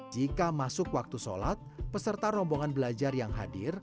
jika masuk waktu sholat peserta rombongan belajar yang hadir